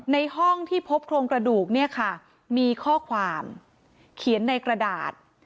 ในห้องที่พบโครงกระดูกเนี่ยค่ะมีข้อความเขียนในกระดาษ